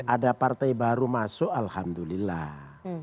ada partai baru masuk alhamdulillah